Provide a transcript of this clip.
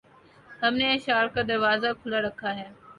ہم نے اشعار کا دروازہ کھُلا رکھا ہے